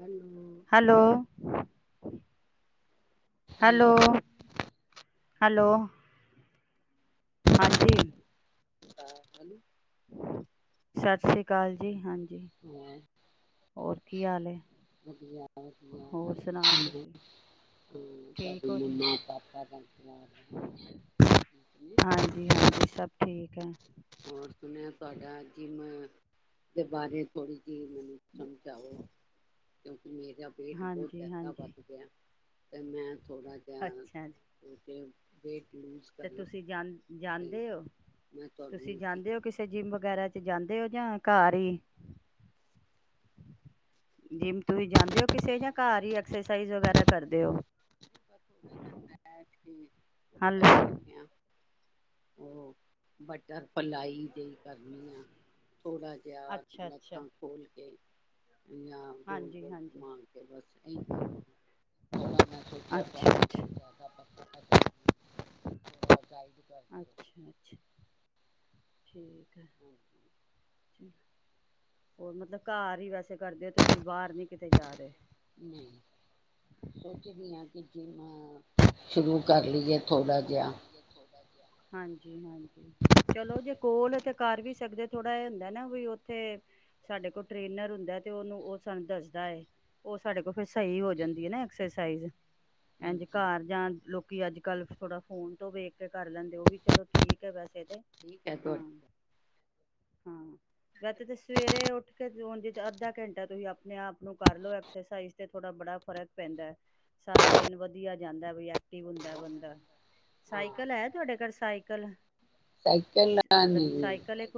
Hello, ਹ hello hello hello ਹਾਂਜੀ ਸ਼੍ਰੀ ਅਕਾਲ। ਸਤਿ ਸ੍ਰੀ ਅਕਾਲ ਜੀ ਹਾਂਜੀ [inaudible] ਹ ਹੋਰ ਕੀ ਹਾਲ ਏ ਸੁਣਾ ਤੁਸੀ ਠੀਕ ਤੁਹਾਡੇ ਹੋ ਜੀ ਮੰਮਾ ਪਾਪਾ ਦਾ ਹੈ ਹਾਂਜੀ ਹਾਂਜੀ ਸਭ ਠੀਕ ਹੈ ਹੋਰ ਸੁਣਿਆ ਤੁਹਾਡਾ ਜਿੰਮ ਦੇ ਬਾਰੇ ਥੋੜ੍ਹੀ [inaudible] ਓਕੇ ਮੇਰਾ ਪੇਟ ਬਹੁਤ ਹਾਂਜੀ ਜ਼ਿਆਦਾ ਹਾਂਜੀ ਵੱਧ ਗਿਆ ਤੇ ਮੈਂ ਥੋੜਾ ਜਿਹਾ ਵੇਟ ਲੂਜ ਤੇ ਕਰਾਂ ਤੁਸੀਂ ਜਾਂ ਤੇ ਜਾਂਦੇ ਹੋ, ਮੈਂ ਤੁਹਾਨੂੰ ਤੁਸੀਂ ਇਸੀ ਜਾਂਦੇ ਹੋ ਕਰਕੇ ਕਿਸੇ ਜਿੰਮ ਵਗੈਰਾ ਚ ਜਾਂਦੇ ਹੁੰਦੇ ਓ ਜਾਂ ਘਰ ਹੀ ਜਿਮ ਤੁਸੀ ਜਾਂਦੇ ਹੋ ਕਿਸੇ ਜਾਂ ਘਰ ਹੀ ਐਕਸਰਸਾਈਜ਼ ਵਗੈਰਾ ਕਰਦੇ ਹੋ। [unintelligible] ਘਰ ਬੈਠ ਕੇ ਕਰ ਹੈਲੋ ਲੈਨੇ ਆ। ਉਹ ਬਟਰਫਲਾਈ ਜਿਹੀ ਕਰਨੀ ਆ। ਥੋੜ੍ਹਾ ਜਿਹਾ ਅੱਛਾ ਅੱਛਾ ਲੱਤਾ ਖੋਲ ਕੇ ਹਾਂਜੀ ਗੋਲ-ਗੋਲ ਹਾਂਜੀ ਘੁਮਾ ਕੇ ਬਸ ਇਹੀ ਕਰਨੀ ਆ। ਥੋੜਾ ਜਾ ਅੱਛਾ ਅੱਛਾ [unintelligible] ਜਿਆਦਾ [unintelligible] ਅੱਛਾ ਅੱਛਾ ਠੀਕ। [unintelligible] ਹੋਰ ਮਤਲਬ ਘਰ ਈ ਵੈਸੇ ਕਰਦੇ ਤੁਸੀਂ ਬਾਹਰ ਨੀ ਕਿਤੇ ਜਾ ਰਹੇ। ਨਹੀਂ ਸੋਚ ਰਹੀ ਹਾਂ ਕਿ ਮੈਂ ਸ਼ੁਰੂ ਕਰ ਲਈਏ ਥੋੜ੍ਹਾ ਜਿਹਾ ਹਾਂਜੀ, ਹਾਂਜੀ ਚਲੋ ਜੇ ਕੋਲ ਤੇ ਕਰ ਵੀ ਸਕਦੇ ਥੋੜਾ ਹੁੰਦਾ ਨਾ ਵੀ ਓਥੇ ਸਾਡੇ ਕੋਲ ਟ੍ਰੇਨਰ ਹੁੰਦਾ ਤੇ ਉਹਨੂੰ ਉਹ ਸਾਨੂੰ ਦੱਸਦਾ ਹੈ। ਉਹ ਸਾਡੇ ਕੋਲ ਫਿਰ ਸਹੀ ਹੋ ਜਾਂਦੀ ਏ ਨਾ ਐਕਸਰਸਾਈਜ਼। ਇੰਝ ਹਾਂਜੀ ਘਰ ਜਾਣ ਲੋਕ ਲੋਕੀ ਅੱਜ-ਕੱਲ੍ਹ ਥੋੜਾ ਫੋਨ ਤੋਂ ਵੇਖ ਕੇ ਕਰ ਲੈਂਦੇ ਉਹ ਵੀ ਚਲੋ ਠੀਕ ਹੈ ਵੈਸੇ ਤੇ ਠੀਕ ਐ ਹਾਂ। [unintelligible] ਹਾਂ, ਵੈਸੇ ਤੇ ਸਵੇਰੇ ਉੱਠ ਕੇ ਉਂਜ ਕੇ ਅੱਧਾ ਘੰਟਾ ਤੁਸੀਂ ਆਪਣੇ ਆਪ ਨੂੰ ਕਰ ਲਓ ਐਕਸਰਸਾਈਜ਼ ਤੇ ਥੋੜਾ ਬੜਾ ਫਰਕ ਪੈਂਦਾ, ਸਾਰਾ ਦਿਨ ਵਧੀਆ ਜਾਂਦਾ ਵੀ ਠੀਕ ਹੁੰਦਾ ਕੋਲ ਬੰਦਾ ਸਹੀ ਹਾਂ ਕਲ ਹੈ ਤੁਹਾਡੇ ਘਰ ਸਾਈਕਲ? ਸਾਈਕਲ ਨਾ ਮਤਲਬ ਹਾਂਜੀ ਸਾਈਕਲ ਇੱਕ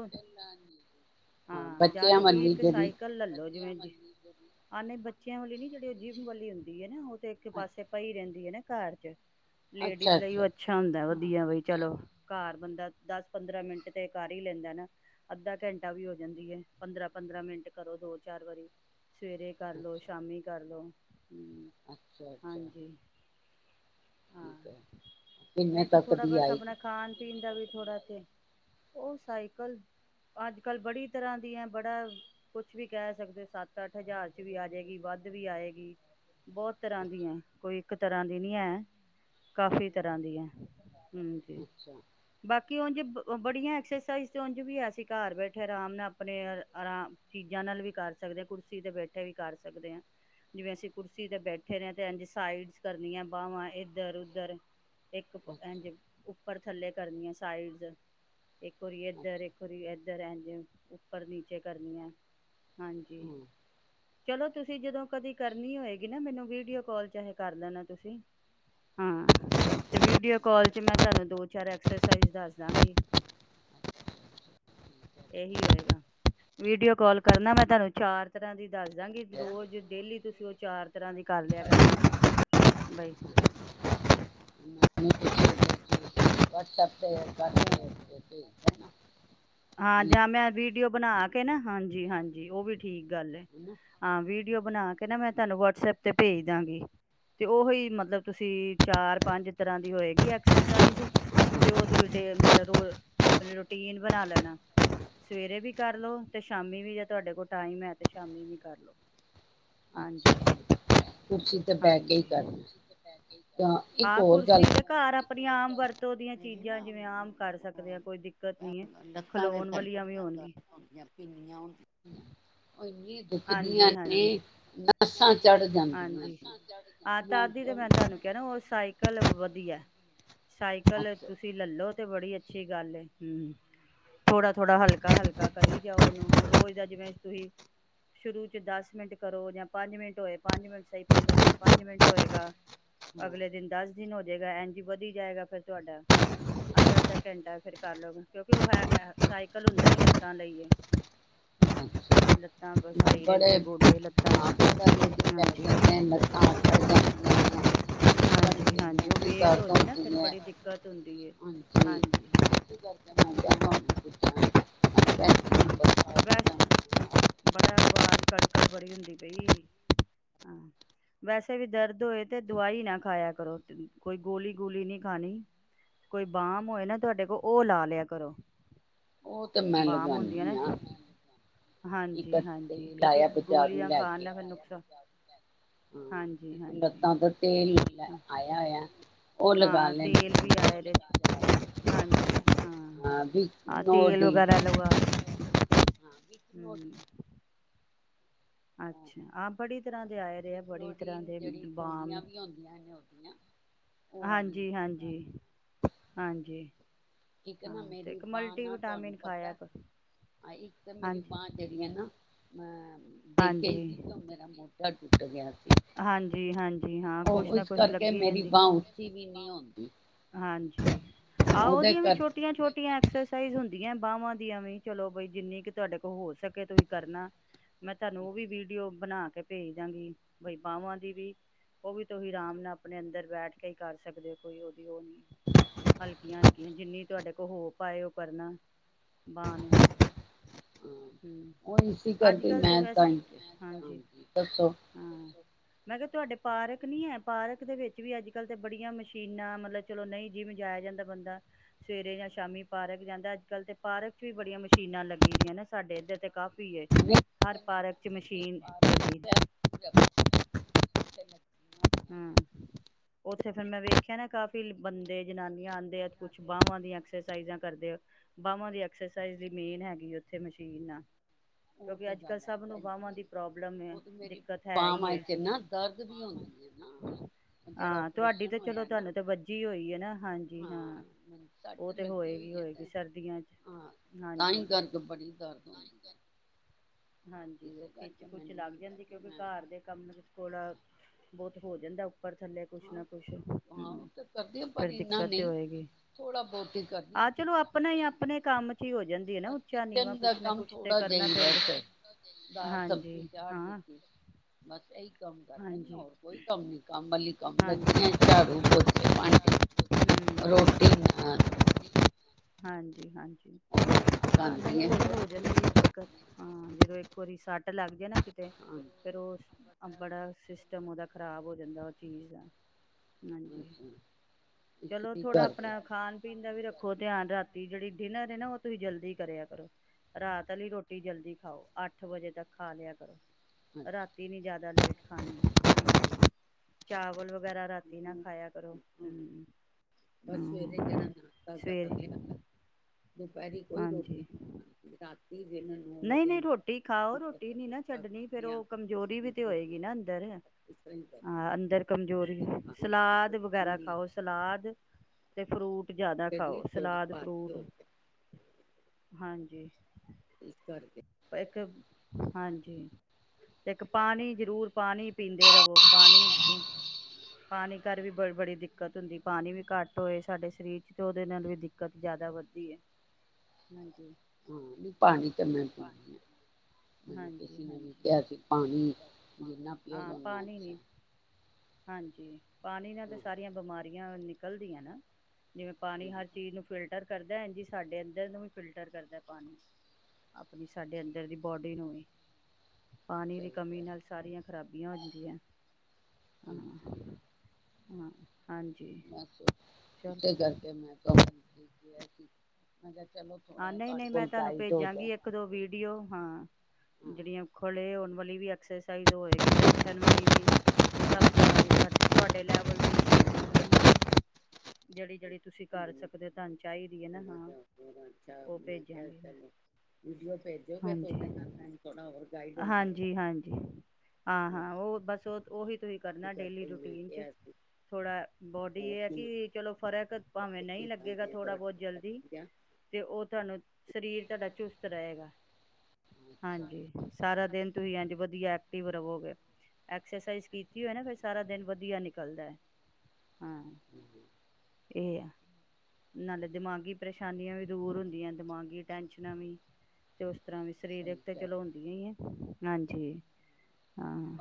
ਹਾਂ, ਜਾਂ ਤੇ ਤੁਸੀਂ ਇੱਕ ਜਿਹੜੀ ਸਾਈਕਲ ਲੈਲੋ ਜਿਵੇਂ ਜੀ ਆ ਨਹੀਂ ਬੱਚਿਆਂ ਵਾਲੀ ਨੀ ਜਿਹੜੀ ਉਹ ਜਿਮ ਵਾਲੀ ਹੁੰਦੀ ਹੈ ਨਾ ਉਹ ਤੇ ਇੱਕ ਪਾਸੇ ਪਈ ਰਹਿੰਦੀ ਹੈ ਨਾ ਘਰ ਚ। ਲੇਡੀਜ਼ ਦਾ ਹੀ ਉਹ ਅੱਛਾ ਹੁੰਦਾ ਹਾਂ ਵਧੀਆ ਬਾਈ ਚਲੋ ਘਰ ਬੰਦਾ ਦਸ-ਪੰਦਰਾਂ ਮਿੰਟ ਤੇ ਕਰ ਹੀ ਲੈਂਦਾ ਨਾ, ਅੱਧਾ ਘੰਟਾ ਵੀ ਹੋ ਜਾਂਦੀ ਹੈ, ਪੰਦਰਾਂ-ਪੰਦਰਾਂ ਮਿੰਟ ਕਰੋ ਦੋ ਚਾਰ ਵਾਰੀ। ਸਵੇਰੇ ਕਰ ਲਉ, ਸ਼ਾਮੀ ਕਰ ਲਉ। ਅੱਛਾ-ਅੱਛਾ। ਹਾਂ ਠੀਕ ਹੈ। ਕਿੰਨੇ ਨਹੀਂ ਤੇ ਤੱਕ ਥੋੜਾ ਦੀ ਬਸ ਆਏਗੀ? ਆਪਣਾ ਖਾਣ ਪੀਣ ਦਾ ਵੀ ਥੋੜਾ ਤੇ, ਉਹ ਸਾਈਕਲ, ਅੱਜ-ਕੱਲ ਬੜੀ ਤਰ੍ਹਾਂ ਦੀ ਆ ਬੜਾ ਕੁਛ ਵੀ ਕਹਿ ਸਕਦੇ ਹੋ ਸੱਤ-ਅੱਠ ਹਜ਼ਾਰ ਚ ਵੀ ਆ ਜਾਏਗੀ ਵੱਧ ਵੀ ਆਏਗੀ। ਬਹੁਤ ਤਰ੍ਹਾਂ ਅੱਛਾ ਦੀਆਂ, ਕੋਈ ਇੱਕ ਤਰ੍ਹਾਂ ਦੀ ਨਹੀਂ ਹੈ ਕਾਫੀ ਤਰ੍ਹਾਂ ਦੀ ਹੈ। ਹਮ ਜੀ [inaudible] ਕਿ ਉਝ ਬੜੀਆਂ ਐਕਸਰਸਾਈਜ਼ ਤੇ ਉਝ ਵੀ ਆ ਅਸੀਂ ਘਰ ਬੈਠੇ ਆਰਾਮ ਨਾਲ ਆਪਣੇ ਆਰਾਮ ਚੀਜ਼ਾਂ ਨਾਲ ਵੀ ਕਰ ਸਕਦੇ ਹ ਕੁਰਸੀ ਤੇ ਬੈਠੇ ਵੀ ਕਰ ਸਕਦੇ ਹ ਜਿਵੇਂ ਅਸੀਂ ਕੁਰਸੀ ਤੇ ਬੈਠੇ ਰ ਹ ਤੇ ਇੰ ਸਾਈਡ ਕਰਨੀੀਆਂ ਬਾਹਵਾਂ ਉਧਰ-ਉਧਰ ਇੱਕ ਅੱਛਾ ਏਂਜ ਉੱਪਰ ਥੱਲੇ ਕਰਨੀਆਂ ਸਾਈਡਸ ਇੱਕ ਵਾਰੀ ਇਧਰ, ਅੱਛਾ ਇੱਕ ਵਾਰੀ ਇਧਰ ਐਂਜ ਉੱਪਰ ਨੀਚੇ ਕਰਨੀ ਹੈ ਹਾਂਜੀ ਹਮ ਚਲੋ, ਤੁਸੀਂ ਜਦੋਂ ਕਦੀ ਕਰਨੀ ਹੋਏਗੀ ਨਾ ਮੈਨੂੰ ਵੀਡੀਓ ਕਾਲ ਚਾਹੇ ਕਰ ਲੈਣਾ ਤੁਸੀਂ ਹਾਂ, ਤੇ ਵੀਡੀਓ ਕਾਲ ਚ ਮੈਂ ਤੁਹਾਨੂੰ ਦੋ-ਚਾਰ ਐਕਸਰਸਾਈਜ਼ ਦੱਸ ਦਾਂਗੀ ਇਹੀ ਹੋਏਗਾ, ਵੀਡੀਓ ਕਾਲ ਕਰਨਾ ਮੈਂ ਤੁਹਾਨੂੰ ਚਾਰ ਤਰ੍ਹਾਂ ਦੀ ਦੱਸਦਾਂਗੀ ਕਰਾਂਗੇ ਰੋਜ਼ ਡੇਲੀ ਤੁਸੀਂ ਉਹ ਚਾਰ ਤਰ੍ਹਾਂ ਦੀ ਕਰ ਲਿਆ ਕਰਨਾ, ਬਈ [inaudible] ਵਟਸਐਪ [inaudible] ਆ ਜਾਂ ਮੈਂ ਵੀ ਡੀਓ ਬਣਾ ਕੇ ਨਾ ਹਾਂਜੀ-ਹਾਂਜੀ ਉਹ ਵੀਡ ਠੀਕ ਗੱਲ ਏ, ਹਨਾ ਹਾਂ ਵੀ ਡੀਓ ਬਣਾ ਕੇ ਨਾ ਮੈਂ ਤੁਹਾਨੂੰ ਵਟਸਪ ਤੇ ਭੇਜ ਦਾਂਗੀ, ਤੇ ਉਹੀ ਮਤਲਬ ਤੁਸੀਂ ਚਾਰ ਪੰਜ ਤਰ੍ਹਾਂ ਦੀ ਹੋਏਗੀ ਐਕਸਰਸਾਈਜ਼, ਤੇ ਉਹ ਤੁਸੀਂ ਮਤਲਬ ਰ ਆਪਣੀ ਰੂਟੀਨ ਬਣਾ ਲੈਣਾ ਸਵੇਰੇ ਵੀ ਕਰ ਲੋ, ਤੇ ਸ਼ਾਮੀ ਵੀ ਜੇ ਤੁਹਾਡੇ ਕੋਲ ਟਾਈਮ ਹੈ ਤੇ ਸ਼ਾਮੀ ਵੀ ਕਰਲੋ ਅੱਛਾ ਕੁਰਸੀ ਤੇ ਬਹਿ ਕੇ ਹੀ ਹਾਂਜੀ-ਹਾਂਜੀ, ਕਰਨਾ ਤਾਂ ਇੱਕ ਹਾਂ ਹੋਰ ਗੱਲ ਕੁਰਸੀ ਤੇ ਘਰ ਆ ਆਪਣੀ ਆਮ ਵਰ ਤੋ ਦੀਆਂ ਮੇਰੀ ਚੀਜ਼ਾਂ ਨਾ ਜਿਵੇਂ ਆਮ ਕਰ ਸਕਦੇ ਆ ਕੋਈ ਦਿੱਕਤ ਨੀ ਹੈ [unintelligible] ਲੱਤਾਂ ਖਲੋਣ ਵਾਲੀਆਂ ਵੀ ਬੜੀਆਂ ਹੋਣਗੀ ਦਰਦ ਹੁੰਦੀਆਂ ਤੇ ਪਿੰਨੀਆਂ ਦੁਖਦੀਆਂ ਨੇ ਹਾਂਜੀ-ਹਾਂਜੀ, ਨਸਾਂ ਚੜ ਜਾਂਦੀਆਂ ਹਾਂਜੀ ਨੇ ਹਾਂ ਤਾਦੀ ਤੇ ਮੈਂ ਤੁਹਾਨੂੰ ਕੈਹਰੀਆਂ ਉਹ ਸਾਈਕਲ ਵਧੀਆ ਸਾਈਕਲ ਅੱਛਾ ਤੁਸੀਂ ਲੈਲੋ ਤੇ ਬੜੀ ਅੱਛੀ ਗੱਲ ਏ, ਹਮ ਥੋੜਾ-ਥੋੜਾ ਹਲਕਾ-ਹਲਕਾ ਕਰੀ ਜਾਓ ਓਨੂੰ ਰੋਜ਼ ਦਾ ਜਿਵੇਂ ਤੁਸੀਂ ਸ਼ੁਰੂ ਚ ਦਸ ਮਿੰਟ ਕਰੋ, ਜਾਂ ਪੰਜ ਮਿੰਟ ਹੋਏ ਪੰਜ ਮਿੰਟ ਸਹੀ ਪਹਿਲੇ ਦਿਨ ਪੰਜ ਮਿੰਟ ਹੋਏਗਾ ਅਗਲੇ ਹਾਂ ਦਿਨ ਦਸ ਦਿਨ ਹੋ ਜਾਏਗਾ ਐਂਜ ਵਧੀ ਜਾਏਗਾ ਫੇਰ ਤੁਹਾਡਾ ਅੱਧਾ-ਅੱਧਾ ਘੰਟਾ, ਫੇਰ ਕਰ ਲਓ ਕਿਉਂਕਿ ਉਹ ਹੈ ਸਾਈਕਲ ਹੁੰਦਾ ਹੀ ਲੱਤਾਂ ਲਈਏ, ਹਮ ਅੱਛਾ ਲੱਤਾਂ ਬਸ ਹਾਂਜੀ। ਹਾਂਜੀ-ਹਾਂਜੀ ਉਹ ਵੇਟ ਹੋ ਜੇ ਨਾ ਫਿਰ ਬੜੀ ਦਿੱਕਤ ਹੁੰਦੀ ਏ। ਹਾਂਜੀ ਹਾਂ ਹਾਂਜੀ ਬਸ ਬੜਾ [inaudible] ਆਵਾਜ਼ ਕੜਕੜ ਬੜੀ ਹੁੰਦੀ ਪਈ ਹ ਵੈਸੇ ਵੀ ਦਰਦ ਹੋਏ ਤੇ ਦਵਾਈ ਨਾ ਖਾਇਆ ਕਰੋ ਕੋਈ ਗੋਲੀ-ਗੁਲੀ ਨਹੀਂ ਖਾਣੀ ਕੋਈ ਬਾਂਮ ਹੋਏ ਨਾ ਤੁਹਾਡੇ ਕੋਲ ਉਹ ਲਾ ਲਿਆ ਕਰੋ। ਉਹ ਤੇ ਮੈਂ ਬਾਮ ਹੁੰਦੀਆਂ ਲਗਾਨੀ ਨਾ ਆ, ਇਕ-ਅੱਧੇ ਹਾਂਜੀ-ਹਾਂਜੀ ਕਿਉਂਕਿ ਗੋਲੀਆਂ ਖਾਣ ਨਾਲ ਫਿਰ ਨੁਕਸ ਹਾਂ ਲੱਤਾ ਤੇ ਤੇਲ ਆਇਆ ਹੋਇਆ ਉਹ ਲਗਾ ਹਾਂ ਤੇਲ ਵੀ ਆ ਲੈਣੀ ਇਹਦੇ ਚ। ਹਾਂਜੀ ਹਾਂ ਆ ਵਿਕਨੋ ਤੇਲ ਡੀ ਵਗੈਰਾ ਲਵਾ, ਹਾਂ ਵਿਕਨੋ ਹੂੰ ਡੀ ਅੱਛਾ ਹਾ ਬੜੀ ਤਰ੍ਹਾਂ ਦੇ ਆਏ ਰਹੇ ਆ ਬੜੀ ਤਰ੍ਹਾਂ ਕਲੋਡੀਨ ਦੇ ਜਿਹੜੀ ਬਾਮ ਗੋਲੀਆਂ ਵੀ ਹੁੰਦੀਆਂ ਨੇ ਉਹਦੀਆਂ ਉਹ ਵਾਲੀ ਲਗਾਣੀ ਹਾਂਜੀ-ਹਾਂਜੀ, ਹਾਂਜੀ। ਇੱਕ ਨਾ ਹਾਂ ਤੇ ਮੇਰੀ ਇੱਕ ਬਾਂਹ ਮਲਟੀ ਨਾ ਤੁਹਾਨੂੰ ਵਿਟਾਮਿਨ ਪਤਾ, ਖਾਇਆ ਕਰੋ ਹਾਂ ਇੱਕ ਤਾਂ ਮੇਰੀ ਹਾਂਜੀ ਬਾਂਹ ਜਿਹੜੀ ਐ ਨਾ ਮੈਂ ਦੇਖਿਆ ਈ ਸੀ ਤੁਸੀਂ ਤਾਂ ਮੇਰਾ ਮੋਡਾ ਟੁੱਟ ਗਿਆ ਸੀ। ਹਾਂਜੀ-ਹਾਂਜੀ ਹਾਂ ਕੁਛ ਉਹ ਨਾ ਇਸ ਕੁਛ ਕਰਕੇ ਲੱਗੀ ਮੇਰੀ ਰਹਿੰਦੀ, ਇਸ ਬਾਂਹ ਕਰਕੇ ਉੱਚੀ ਮੇਰੀ ਵੀ ਨਹੀਂ ਹੁੰਦੀ ਬਾਂਹ ਹਾਂਜੀ ਆਹ ਉਹਦੇ ਉਹਦੀਆਂ ਵੀ ਕਰ ਛੋਟੀਆਂ-ਛੋਟੀਆਂ ਐਕਸਰਸਾਈਜ ਹੁੰਦੀਆਂ ਬਾਹਵਾਂ ਦੀਆਂ ਵੀ ਚਲੋ ਬਈ ਜਿੰਨੀ ਕੀ ਤੁਹਾਡੇ ਕੋਲ ਹੋ ਸਕੇ ਤੁਸੀਂ ਕਰਨਾ। ਮੈਂ ਤੁਹਾਨੂੰ ਉਹ ਵੀ ਵੀਡੀਓ ਬਣਾ ਕੇ ਭੇਜ ਦਾਂਗੀ। ਬਈ ਬਾਹਵਾਂ ਦੀ ਵੀ, ਉਹ ਵੀ ਤੁਸੀਂ ਆਰਾਮ ਨਾਲ ਆਪਣੇ ਅੰਦਰ ਬੈਠ ਕੇ ਹੀ ਕਰ ਸਕਦੇ ਹੋ ਕੋਈ ਉਹਦੀ ਉਹ ਨੀ। ਹਲਕੀਆਂ-ਹਲਕੀਆਂ ਜਿੰਨੀ ਤੁਹਾਡੇ ਕੋਲ ਹੋ ਪਾਏ ਉਹ ਕਰਨਾ ਬਾਂਹ ਨੂੰ ਹਾਂ ਹੂੰ ਉਹ ਇਸੀ ਅੱਜ ਕਰਕੇ ਕੱਲ ਤਾਂ ਮੈਂ ਹੀ ਵੈਸੇ ਕਿ- ਹਾਂਜੀ ਦੱਸੋ ਮੈਂ ਕਿਹਾ ਤੁਹਾਡੇ ਪਾਰਕ ਨੀ ਹੈ ਪਾਰਕ ਦੇ ਵਿੱਚ ਵੀ ਅੱਜ ਕੱਲ ਤੇ ਬੜੀਆਂ ਮਸ਼ੀਨਾਂ ਮਤਲਬ ਚਲੋ ਨਹੀਂ ਜਿਮ ਜਾਇਆ ਜਾਂਦਾ ਬੰਦਾ, ਸਵੇਰੇ ਜਾਂ ਸ਼ਾਮੀ ਪਾਰਕ ਜਾਂਦਾ ਅੱਜ-ਕੱਲ ਤੇ ਪਾਰਕ ਚ ਵੀ ਬੜੀਆਂ ਮਸ਼ੀਨਾਂ ਲੱਗੀ ਦੀਆਂ ਨੇ ਸਾਡੇ ਇੱਧਰ ਤੇ ਕਾਫੀ [unintelligible] ਪਾਰਕ ਲੱਗੀ [unintelligible] ਹੂੰ ਨੇ। ਉੱਥੇ ਫਿਰ ਮੈਂ ਵੇਖਿਆ ਨਾ ਕਾਫ਼ੀ ਬੰਦੇ, ਜਨਾਨੀਆਂ ਆਦੇ ਆ ਕੁਛ ਬਾਹਵਾਂ ਦੀਆਂ ਐਕਸਰਸਾਈਜ਼ਾਂ ਕਰਦੇ ਆ ਬਾਹਵਾਂ ਦੀ ਐਕਸਰਸਾਈਜ਼ ਦੀ ਮੇਨ ਹੈਗੀ ਉੱਥੇ ਮਸ਼ੀਨ ਆ। ਉਹ ਕਿਉਂਕਿ ਤੇ ਅੱਜ ਕੱਲ੍ਹ ਗੱਲ ਹੈ ਸਭ ਨੂੰ ਭੈਣ ਬਾਹਵਾਂ ਦੀ ਜੀ, ਪ੍ਰੋਬਲਮ ਹੈ ਉਹ ਤੇ ਮੇਰੀ ਦਿੱਕਤ ਹੈ ਹੀ ਬਾਂਹਵਾਂ ਹੈ ਚ ਨਾ ਦਰਦ ਵੀ ਹੁੰਦੀ ਹੈ। ਨਾ। ਜਿਹੜਾ ਹਾਂ ਤੁਹਾਡੀ ਓਪਰੇਸ਼ਨ ਤੇ ਚਲੋ ਹੋਇਆ ਨਾ ਤੁਹਾਨੂੰ ਤੇ ਵੱਜੀ ਹੋਈ ਹੈ ਨਾ ਹਾਂਜੀ ਹਾਂ, ਮੈਨੂੰ ਸੱਟ ਉਹ ਤੇ ਲੱਗੀ ਹੋਈ ਹੈ ਹੋਏਗੀ-ਹੋਏਗੀ ਤੇ ਸਰਦੀਆਂ ਚ ਹਾਂ ਤਾਂ ਹੀ ਹਾਂਜੀ। ਕਰਕੇ ਬੜੀ ਦਰਦ ਹੁੰਦੀ ਹੈ। ਹਾਂਜੀ ਉਹ ਇਸੇ ਖਿੱਚ- ਕਰਕੇ ਖੁੱਚ ਮੈਨੂੰ ਲੱਗ ਹੁੰਦਾ ਜਾਂਦੀ ਕਿ ਕਿਉਂਕਿ ਮੈਂ ਘਰ ਦੇ ਕੰਮ ਵਿੱਚ ਥੋੜਾ ਬਹੁਤ ਹੋ ਜਾਂਦਾ ਉਪਰ ਥੱਲੇ ਕੁਛ ਹਾਂ ਨਾ ਕੁਛ, ਹੂੰ ਹਾਂ ਤੇ ਕਰਦੀ ਹਾਂ ਪਰ ਫੇਰ ਇੰਨਾ ਦਿੱਕਤ ਤੇ ਨਹੀਂ ਹੋਏਗੀ। ਥੋੜਾ ਬਹੁਤ ਹੀ ਕਰਦੀ ਹਾਂ ਆਹ ਚਲੋ ਆਪਣਾ ਕਿਚਨ ਹੀ ਆਪਣੇ ਕੰਮ ਚ ਹੀ ਹੋ ਜਾਂਦੀ ਹੈ ਨਾ ਬਸ ਉੱਚਾ-ਨੀਵਾਂ ਕਿਚਨ ਦਾ ਕੁਛ ਨਾ ਕੰਮ ਕੁਛ ਤੇ ਥੋੜਾ ਜਿਹਾ ਕਰਨਾ ਹੀ ਪੈਂਦਾ। ਵੈਸੇ ਦਾਲ ਹਾਂਜੀ ਸਬਜ਼ੀ ਚਾੜ ਹਾਂ ਦਿੱਤੀ, ਬਸ ਤੇ ਇੱਕ ਕੰਮ ਕਰ ਲੈਨੀ ਆ ਹਾਂਜੀ ਹੋਰ ਕੋਈ ਕੰਮ ਨੀ ਕੰਮ ਵਾਲੀ ਕੰਮ ਲੱਗੇ ਨੇ ਹਾਂਜੀ ਝਾੜੂ, ਪੋਚੇ, ਭਾਂਡੇ ਹਮ ਰੋਟੀ ਨਾਲ ਹਾਂਜੀ-ਹਾਂਜੀ ਹਾਂ, ਨਹੀਂ ਚਲੋ ਹੋ ਜਾਂਦੀਐਦਿੱਕਤ ਹਾਂ, ਜਦੋਂ ਇੱਕ ਵਾਰੀ ਸੱਟ ਲੱਗ ਜਾਏ ਨਾ ਕਿਤੇ ਅਤੇ, ਫਿਰ ਉਹ ਬੜਾ ਸਿਸਟਮ ਉਹਦਾ ਖਰਾਬ ਹੋ ਜਾਂਦਾ ਚੀਜ਼ ਆ ਹਾਂਜੀ ਚਲੋ ਇਸੀ ਥੋੜਾ ਕਰਕੇ ਆਪਣਾ ਖਾਣ ਪੀਣ ਦਾ ਵੀ ਰੱਖੋ ਧਿਆਨ ਰਾਤੀ ਜਿਹੜੀ ਡਿਨਰ ਹੈ ਨਾ ਉਹ ਤੁਸੀਂ ਜਲਦੀ ਕਰਿਆ ਕਰੋ। ਰਾਤ ਵਾਲੀ ਰੋਟੀ ਜਲਦੀ ਖਾਓ। ਅੱਠ ਵਜੇ ਤੱਕ ਖਾ ਲਿਆ ਕਰੋ ਹਾਂਜੀ ਰਾਤੀ ਨੀ ਜਿਆਦਾ ਲੇਟ ਖਾਣੀ ਹਾਂਜੀ ਚਾਵਲ ਵਗੈਰਾ ਰਾਤੀ ਨਾ ਖਾਇਆ ਕਰੋ। ਬਸ ਸਵੇਰੇ ਜਿਹੜਾ ਹਮ-ਹਮ ਨਾਸ਼ਤਾ ਕਰ ਲਿਆ ਸਵੇਰੇਂ ਦੁਪਹਿਰੀ ਕੋਈ ਲੋੜ ਹ ਰਾਤੀ ਦਿਨ ਨੌ ਵਜੇ ਨਹੀਂ-ਨਹੀਂ ਨਾਲ ਰੋਟੀ ਖਾਓ। ਰੋਟੀ ਪਤਾ ਨੀ ਨਾ ਪੁਲਕਾ ਖਾ ਛੱਡਣੀ ਫੇਰ ਲਿਆ ਉਹ ਕਮਜ਼ੋਰੀ ਵੀ ਇਸ ਤੇ ਹੋਏਗੀ ਨਾ ਅੰਦਰ ਤਰ੍ਹਾਂ ਹੀ ਕਰਦੀ ਹਾਂ ਹਾਂ ਅੰਦਰ ਕਮਜ਼ੋਰੀ ਫਿਰ ਖਾਣ ਵਾਸਤੇ ਸਲਾਦ ਕੁਛ ਵੀ ਵਗੈਰਾ ਨਹੀਂ ਖਾਓ। ਸਲਾਦ ਤੇ ਫਰੂ ਜ਼ਿਆਦਾ ਖਾਓ ਸਰੀਰ ਥੋੜਾ ਸਲਾਦ, ਭਾਰੀ ਫਰੂਟ ਹੋ ਗਿਆ ਹਾਂਜੀ ਜੀ ਇਸ ਕਰਕੇ ਇੱਕ ਹਾਂਜੀ ਤੇ ਇੱਕ ਪਾਣੀ ਜ਼ਰੂਰ ਪਾਣੀ ਪੀਂਦੇ ਰਵੋ ਪਾਣੀ ਪਾਣੀ ਘਰ ਹਾਂ ਵੀ ਬ ਬੜੀ ਦਿੱਕਤ ਹੁੰਦੀ ਪਾਣੀ ਵੀ ਘੱਟ ਹੋਏ ਸਾਡੇ ਸਰੀਰ 'ਚ ਤਾਂ ਉਹਦੇ ਨਾਲ ਵੀ ਦਿੱਕਤ ਜ਼ਿਆਦਾ ਵੱਧਦੀ ਹੈ ਹਾਂਜੀ ਹਾਂ ਪਾਣੀ ਤਾਂ ਮੈਂ ਪੀਂ ਹਾਂ ਮੈਨੂੰ ਹਾਂਜੀ ਕਿਸੇ ਨੇ ਵੀ ਹਾਂਜੀ ਕਿਹਾ ਸੀ ਪਾਣੀ ਜਿੰਨਾ ਹਾਂ ਪੀਓਗਾ ਨਾ ਅੱਛਾ ਠੀ [inaudible] ਪਾਣੀ ਨਾਲ ਤੇ ਹਾਂ ਸਾਰੀਆਂ ਬਿਮਾਰੀਆਂ ਨਿਕਲਦੀਆਂ ਨਾ ਜਿਵੇਂ ਪਾਣੀ ਹਾਂਜੀ ਹਰ ਚੀਜ਼ ਨੂੰ ਫਿਲਟਰ ਕਰਦਾ ਐ ਜੀ, ਸਾਡੇ ਅੰਦਰ ਨੂੰ ਵੀ ਫਿਲਟਰ ਕਰਦਾ ਪਾਣੀ ਆਪਣੀ ਸਾਡੇ ਅੰਦਰ ਦੀ ਬੋਡੀ ਨੂੰ ਵੀ ਪਾਣੀ ਦੀ ਸਹੀ ਕਮੀ ਹੈ ਨਾਲ ਸਾਰੀਆਂ ਖ਼ਰਾਬੀਆਂ ਹੁੰਦੀਆਂ ਹਾਂ ਹਾਂਜੀ ਹਾਂ ਹਾਂਜੀ ਬਸ ਚਲੋ ਇਸੇ ਕਰਕੇ ਮੈਂ [unintelligible] ਮਦਦ ਹਾਂ, ਨਹੀਂ-ਨਹੀਂ ਮੈਂ ਤੁਹਾਨੂੰ ਭੇਜਾਂਗੀ। ਇੱਕ ਦੋ ਵੀਡੀਓ ਹਾਂ ਹਾਂ ਜਿਹੜੀਆਂ ਖੋਲੇ ਹੋਣ ਵਾਲੀ ਵੀ ਐਕਸਾਇਜ ਹੋਏਗੀ। ਬੈਠਣ ਵਾਲੀ ਵੀ ਸਭ ਤਰ੍ਹਾਂ ਦੀ ਤੁਹਾਡੇ ਲੈਵਲ ਦੀ ਭੇਜਗੀ ਨਾ ਮੈਂ ਜਿਹੜੀ, ਜਿਹੜੀ ਤੁਸੀਂ ਕਰ ਮੈਨੂੰ ਸਕਦੇ ਹੋ ਤੁਹਾਨੂੰ ਚਾਹੀਦੀ ਹੈ ਨਾ ਥੋੜਾ ਹਾਂ ਜਿਹਾ ਹੋਰ ਅੱਛਾ ਉਹ ਮੈਂ ਕਿਹਾ ਭੇਜਾਂਗੀ ਮੈ ਚਲੋ ਵੀਡੀਓ ਭੇਜੋਗੇ ਤਾਂ ਹਾਂਜੀ, ਉਹਦੇ ਨਾਲ ਮੈਨੂੰ ਥੋੜਾ ਹੋਰ ਗਾਈਡ ਹੋ ਜਾਏਗਾ ਹਾਂਜੀ-ਹਾਂਜੀ ਹੋਰ ਹਾਂ-ਹਾਂ ਉਹ ਬਸ ਉਹ ਉਹੀ ਤੁਸੀਂ ਕੀ ਕਰਨਾ ਡੇਲੀ ਕਰਦੇ ਮੈਂ ਰੂਟੀਨ ਚ ਕਿਹਾ ਸੀ ਥੋੜਾ ਬੋਡੀ ਹੋਰ ਇਹ ਹੈ ਸੁਣਾਓ ਕਿ ਚਲੋ ਫ਼ਰਕ ਭਾਵੇਂ ਬੱਚੇ ਨਹੀਂ ਕਿੱਦਾਂ ਲੱਗੇਗਾ ਦੇ ਥੋੜ੍ਹਾ-ਬਹੁਤ ਤੁਹਾਡੇ ਸਭ ਜਲਦੀ ਵਧੀਆ ਤੇ ਉਹ ਤੁਹਾਨੂੰ ਸਰੀਰ ਤੁਹਾਡਾ ਚੁਸਤ ਰਹੇਗਾ। ਅੱਛਾ ਹਾਂਜੀ ਸਾਰਾ ਦਿਨ ਤੁਸੀਂ ਇੰਝ ਵਧੀਆ ਐਕਟਿਵ ਰਵੋਗੇ। ਐਕਸਰਸਾਈਜ਼ ਕੀਤੀ ਹੋਏ ਨਾ ਫਿਰ ਸਾਰਾ ਦਿਨ ਵਧੀਆ ਨਿਕਲਦਾ। ਹਾਂ, ਇਹ ਆ। ਨਾਲੇ ਦਿਮਾਗੀ ਪਰੇਸ਼ਾਨੀਆਂ ਵੀ ਦੂਰ ਹੁੰਦੀਆਂ ਦਿਮਾਗੀ ਟੈਂਸ਼ਨਾਂ ਵੀ ਤੇ ਉਸ ਤਰਾਂ ਵੀ ਸਰੀਰਕ ਸਹੀ ਤੇ ਹੈ ਚਲੋ ਹੁੰਦੀਆਂ ਹੀ ਏ। ਹਾਂਜੀ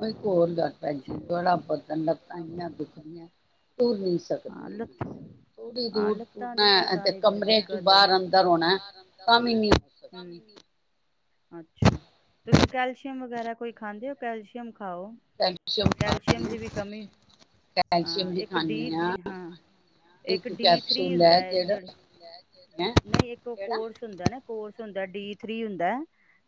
ਉਹ ਇੱਕ ਹੋਰ ਗੱਲ ਭੈਣ ਜੀ ਬੜਾ ਬਦਨ ਲੱਤਾਂ ਇੰਨੀਆਂ ਦੁਖਦੀਆਂ ਤੁਰ ਨਹੀਂ ਸਕਦੀ ਹਾਂ ਮੈਂ। ਲੱਤ ਥੋੜੀ ਹਾਂ ਦੂਰ ਲੱਤਾਂ ਦੀ ਤੂਰਨਾ ਤੇ ਸਾਰੀ ਬੜੀ ਕਮਰੇ ਚ ਦਿੱਕਤ ਹੈ ਨਾ। ਬਾਹਰ ਅੰਦਰ ਆਉਣਾ ਤਾਂ ਵੀ ਨੀ ਤੁਰ ਸਕਦੀ। ਹੂੰ, ਅੱਛਾ ਤੁਸੀਂ ਕੈਲਸ਼ੀਅਮ ਵਗੈਰਾ ਕੋਈ ਖਾਂਦੇ ਹੋ ਕੈਲਸ਼ੀਅਮ ਖਾਓ। ਕੈਲਸ਼ੀਅਮ ਕੈਲਸ਼ੀਅਮ ਖਾਨੀ ਦੀ ਵੀ ਆ ਕਮੀ ਹਾਂ ਕੈਲਸ਼ੀਅਮ ਵੀ ਇੱਕ ਡੀ ਖਾਨੀ ਆ। ਹਾਂ, ਇੱਕ ਡੀ ਥਰੀ ਕੈਪਸੂਲ ਹੁੰਦਾ ਹੈ ਜਿਹੜਾ ਹੈਂ ਨਹੀਂ ਇੱਕ ਉਹ ਕਿਹੜਾ ਕੋਰਸ ਹੁੰਦਾ ਨਾ ਕੋਰਸ ਹੁੰਦਾ ਡੀ ਥ੍ਰਰੀ ਹੁੰਦਾ।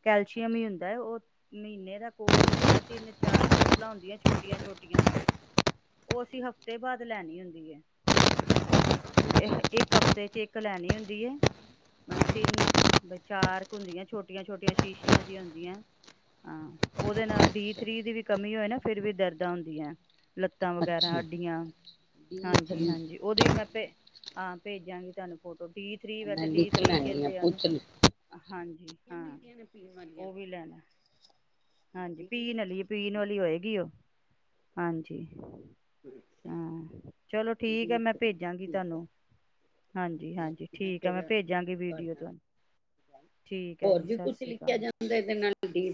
ਕੈਲਸ਼ੀਅਮ ਅੱਛਾ ਹੀ ਹੁੰਦਾ ਹੈ ਉਹ ਮਹੀਨੇ ਦਾ ਕੋਰਸ ਹੁੰਦਾ ਤਿੰਨ-ਚਾਰ ਬੋਤਲਾਂ ਹੁੰਦੀਆਂ ਛੋਟੀਆਂ-ਛੋਟੀਆਂ। ਉਹ ਅਸੀਂ ਹਫ਼ਤੇ ਬਾਅਦ ਲੈਣੀ ਹੁੰਦੀ। ਅੱਛਾ ਇੱਕ ਹਫ਼ਤੇ 'ਚ ਇੱਕ ਲੈਣੀ ਹੁੰਦੀ ਹੈ, ਮਤ ਤਿੰਨ, ਚਾਰ ਕੁ ਹੁੰਦੀਆਂ ਛੋਟੀਆਂ-ਛੋਟੀਆਂ ਸ਼ੀਸ਼ੀਆਂ ਜਿਹੀਆਂ ਹੁੰਦੀਆਂ, ਹਾਂ ਉਹਦੇ ਨਾਲ ਡੀ ਅੱਛਾ ਥ੍ਰਰੀ ਦੀ ਵੀ ਕਮੀ ਹੋਏ ਨਾ ਫਿਰ ਵੀ ਦਰਦਾਂ ਹੁੰਦੀਆਂ। ਲੱਤਾਂ ਵਗੈਰਾ ਅੱਛਾ ਅੱਡੀਆਂ ਡੀ ਥਰੀ ਹਾਂਜੀ-ਹਾਂਜੀ ਉਹਦੀ ਮੈਂ ਭੇ ਹਾਂ ਭੇਜਾਂਗੀ ਤੁਹਾਨੂੰ ਫੋਟੋ। ਡੀ ਥਰੀ ਮੈਂ ਵੈਸੇ ਡੀ ਲਿਖ ਥਰੀ ਲੈਂਦੀ ਆ ਕਹਿੰਦੇ ਉਹਨੂੰ, ਪੁੱਛ ਲ ਹਾਂਜੀ ਹਾਂ ਮਿਲਦੀਆਂ ਨੇ ਪੀਣ ਵਾਲੀਆਂ ਉਹ ਵੀ ਲੈਣਾ। ਡੀ ਹਾਂਜੀ ਡੀ ਪੀਣ ਵਾਲੀ ਪੀਣ ਵਾਲੀ ਹੋਏਗੀ ਉਹ। ਹਾਂਜੀ ਅੱਛਾ ਹਾਂ ਚਲੋ ਠੀਕ ਹੈ ਮੈਂ ਭੇਜਾਂਗੀ ਤੁਹਾਨੂੰ, ਹਾਂਜੀ-ਹਾਂਜੀ ਠੀਕ ਹੈ ਫਿਰ ਮੈਂ ਭੇਜਾਂਗੀ ਤੁਹਾਡੇ ਵੀਡੀਓ ਨਾਲ ਤੁਹਾਨੂੰ। ਠੀਕ ਹੈ ਹੋਰ ਜੀ ਵੀ ਸਤਿ ਕੁਛ ਸ੍ਰੀ ਲਿਖਿਆ ਅਕਾਲ। ਜਾਂਦਾ ਇਹਦੇ ਨਾਲ ਡੀ